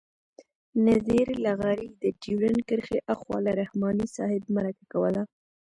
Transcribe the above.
نذیر لغاري د ډیورنډ کرښې آخوا له رحماني صاحب مرکه کوله.